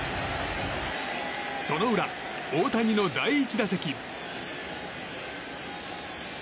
その裏、大谷の第１打席。